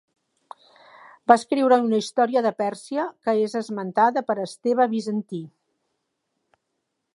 Va escriure una història de Pèrsia que és esmentada per Esteve Bizantí.